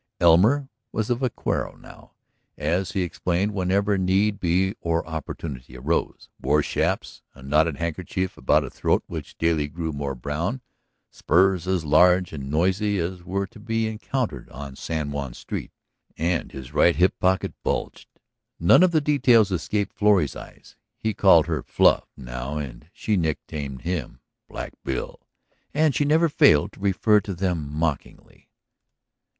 Elmer was a vaquero now, as he explained whenever need be or opportunity arose, wore chaps, a knotted handkerchief about a throat which daily grew more brown, spurs as large and noisy as were to be encountered on San Juan's street, and his right hip pocket bulged. None of the details escaped Florrie's eyes ... he called her "Fluff" now and she nicknamed him "Black Bill" ... and she never failed to refer to them mockingly.